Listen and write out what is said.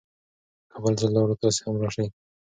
که بل ځل لاړو، تاسې هم راشئ.